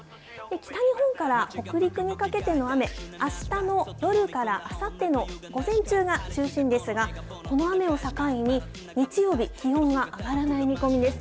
北日本から北陸にかけての雨、あしたの夜からあさっての午前中が中心ですが、この雨を境に、日曜日、気温が上がらない見込みです。